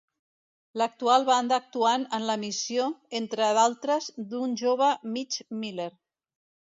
L'actual banda actuant en l'emissió, entre d'altres, d'un jove Mitch Miller.